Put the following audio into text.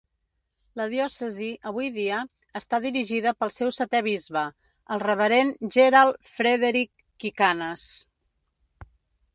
La diòcesi, avui dia, està dirigida pel seu setè bisbe, el Reverend Gerald Frederick Kicanas.